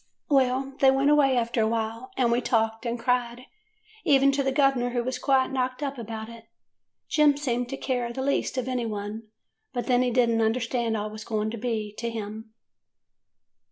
"Well, they went away after awhile, and we talked and cried, even to the gov'ner, who was quite knocked up about it. Jem seemed to care the least of any one, but then he did n't understand all 't was goin' to be to him.